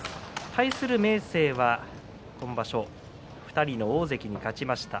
対する明生は今場所２人の大関に勝ちました。